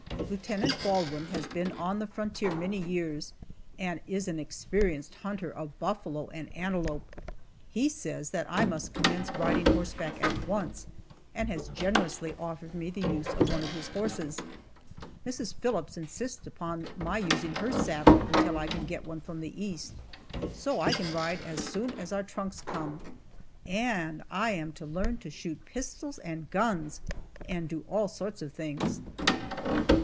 Lieutenant Baldwin has been on the frontier many years, and is an experienced hunter of buffalo and antelope. He says that I must commence riding horseback at once, and has generously offered me the use of one of his horses. Mrs. Phillips insists upon my using her saddle until I can get one from the East, so I can ride as soon as our trunks come. And I am to learn to shoot pistols and guns, and do all sorts of things.